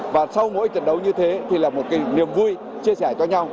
và sau mỗi trận đấu như thế thì là một cái niềm vui chia sẻ cho nhau